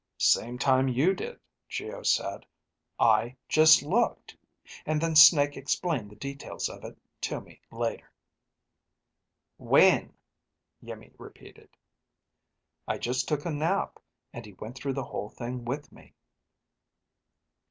"Same time you did," Geo said. "I just looked. And then Snake explained the details of it to me later." "When?" Iimmi repeated. "I just took a nap, and he went through the whole thing with me."